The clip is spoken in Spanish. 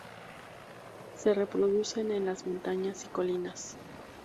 Se reproduce en las montañas y colinas.